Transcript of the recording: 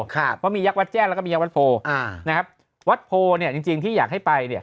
เพราะมียักษ์วัดแจ้งแล้วก็มียักษวัดโพอ่านะครับวัดโพเนี่ยจริงที่อยากให้ไปเนี่ย